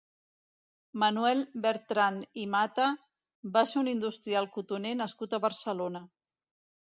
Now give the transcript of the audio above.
Manuel Bertrand i Mata va ser un industrial cotoner nascut a Barcelona.